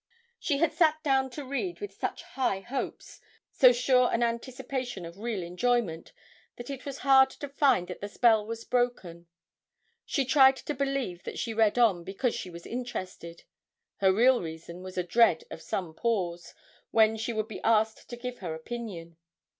She had sat down to read with such high hopes, so sure an anticipation of real enjoyment, that it was hard to find that the spell was broken; she tried to believe that she read on because she was interested her real reason was a dread of some pause, when she would be asked to give her opinion.